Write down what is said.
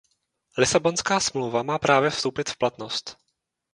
Lisabonská smlouva má právě vstoupit v platnost.